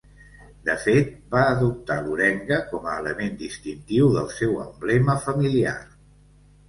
De fet, va adoptar l'orenga com a element distintiu del seu emblema familiar.